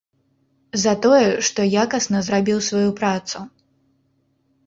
За тое, што якасна зрабіў сваю працу.